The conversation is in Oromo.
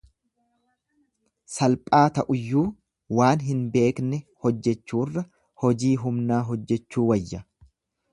Salphaa ta'uyyuu waan hin beekne hojjechuurra hojii humnaa hojjechuu wayya.